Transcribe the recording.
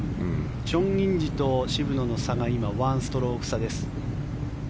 チョン・インジと渋野の差が今、１ストローク差です。